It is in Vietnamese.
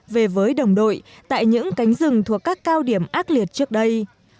về với đồng đội tại những cánh rừng thuộc các cao điểm ác liệt trước đây